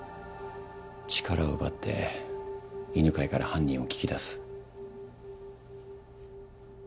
力を奪って犬飼から犯人を聞き出す。